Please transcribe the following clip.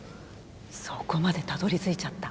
そこまでたどりついちゃった？